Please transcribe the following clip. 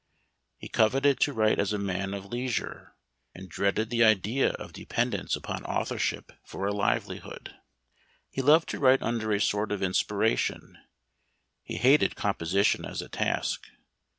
He coveted to write as a man of leisure, and dreaded the idea of dependence upon authorship for a livelihood. He loved to write under a sort of inspiration ; be hated composition as a task.